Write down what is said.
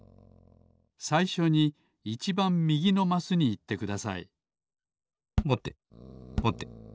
さいしょにいちばんみぎのマスにいってくださいぼてぼて。